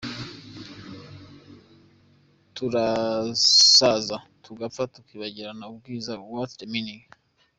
Turasaza tugapfa tukibagirana ubwiza what’s the meaning???.